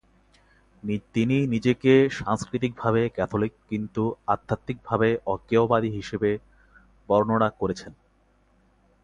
তিনি নিজেকে "সাংস্কৃতিকভাবে ক্যাথলিক কিন্তু আধ্যাত্মিকভাবে অজ্ঞেয়বাদী" হিসেবে বর্ণনা করেছেন।